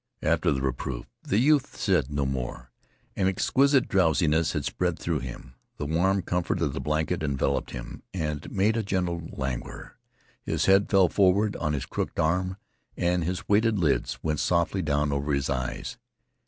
After the reproof the youth said no more. An exquisite drowsiness had spread through him. The warm comfort of the blanket enveloped him and made a gentle languor. His head fell forward on his crooked arm and his weighted lids went softly down over his eyes.